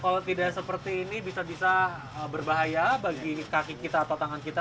kalau tidak seperti ini bisa bisa berbahaya bagi kaki kita atau tangan kita